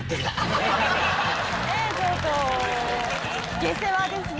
下世話ですね